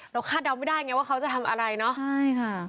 เราคาดเดาไม่ได้ว่าเขาจะทำอะไรเนาะ